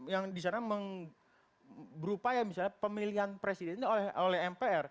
yang disana berupaya misalnya pemilihan presiden itu oleh mpr